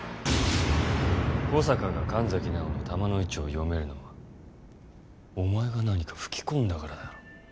小坂が神崎直の玉の位置を読めるのはお前が何か吹き込んだからだろ？